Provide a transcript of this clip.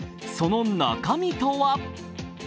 その中身とは？